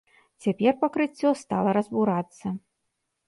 Цяпер пакрыццё стала разбурацца.